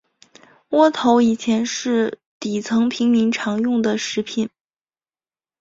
窝头以前是底层平民常用的食品。